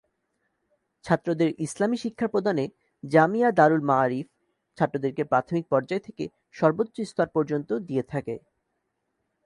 ছাত্রদের ইসলামী শিক্ষা প্রদানে জামিয়া দারুল ম’রিফ ছাত্রদেরকে প্রাথমিক পর্যায় থেকে সর্বোচ্চ স্তর পর্যন্ত দিয়ে থাকে।